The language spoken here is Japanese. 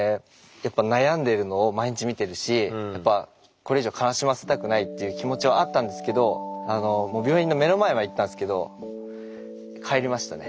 やっぱ悩んでるのを毎日見てるしやっぱっていう気持ちはあったんですけどもう病院の目の前まで行ったんですけど帰りましたね。